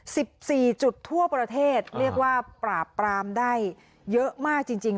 สิบสี่จุดทั่วประเทศเรียกว่าปราบปรามได้เยอะมากจริงจริง